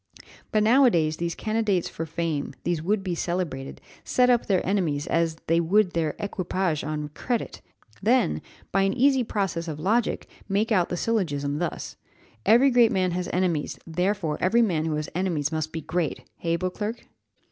But now a days, these candidates for fame, these would be celebrated, set up their enemies as they would their equipages, on credit then, by an easy process of logic, make out the syllogism thus: Every great man has enemies, therefore, every man who has enemies must be great hey, Beauclerc?"